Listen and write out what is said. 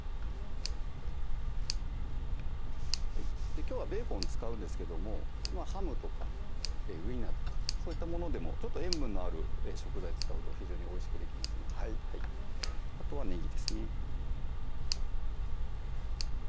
きょうはベーコンを使うんですけどもハムとかウインナーとかそういったものでもちょっと塩分のある食材使うと非常においしくできますのであとはねぎですね